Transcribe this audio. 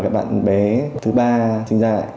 cái bạn bé thứ ba sinh dạy